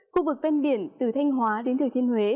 khu vực ven biển từ thanh hóa đến thừa thiên huế